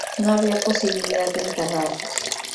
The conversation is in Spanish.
No había posibilidad de enterrarlos.